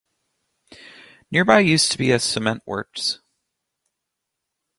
Nearby used to be a cement works.